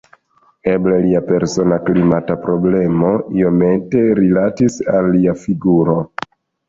Eble lia persona klimata problemo iomete rilatis al lia figuro.